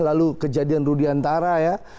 lalu kejadian rudiantara ya